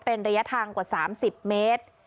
เป็นระยะทางกว่า๓๐เมตร